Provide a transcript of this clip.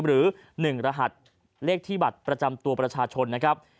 หรือ๑รหัสเลขที่บัตรประจำตัวประชาชนนะครับ